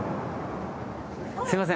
すいません。